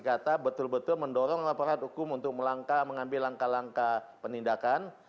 kata betul betul mendorong laporan hukum untuk mengambil langkah langkah penindakan